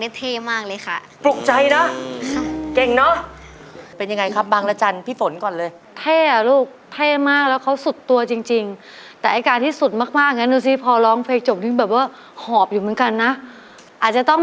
บางราชันทร์บางราชันทร์บางราชันทร์ไม่อาจยืนอยู่ถึงวันเพ็ญเดือนสิบสอง